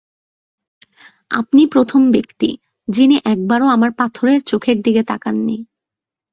আপনি প্রথম ব্যক্তি-যিনি একবারও আমার পাথরের চোখের দিকে তাকান নি।